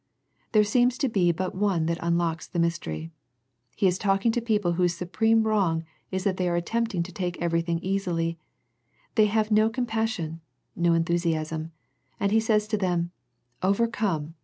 There seems to be but one that unlocks the mystery. He is talking to people whose supreme wrong is that they are attempting to take everything easily, they have no com passion, no enthusiasm, and He says to them " Overcome